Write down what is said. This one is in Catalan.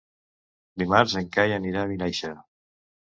Dimarts en Cai anirà a Vinaixa.